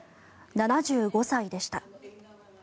７５歳でした。